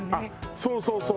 そうそうそう！